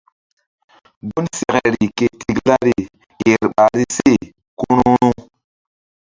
Gun sekeri ke tiklari ker ɓahri se ku ru̧ru̧.